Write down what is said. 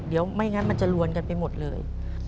เดี๋ยวไม่งั้นมันจะลวนกันไปหมดเลย